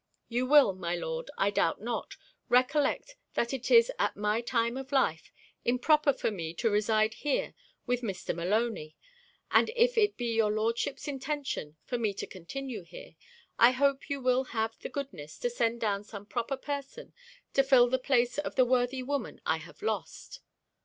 'You will, my Lord, I doubt not, recollect that it is, at my time of life, improper for me to reside here with Mr. Maloney; and if it be your Lordship's intention for me to continue here, I hope you will have the goodness to send down some proper person to fill the place of the worthy woman I have lost.